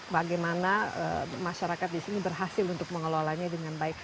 bagaimana masyarakat di sini berhasil untuk mengelolanya dengan baik